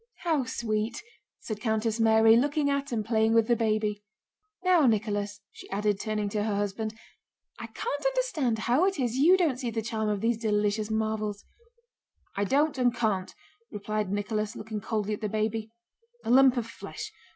"How sweet!" said Countess Mary, looking at and playing with the baby. "Now, Nicholas," she added, turning to her husband, "I can't understand how it is you don't see the charm of these delicious marvels." "I don't and can't," replied Nicholas, looking coldly at the baby. "A lump of flesh.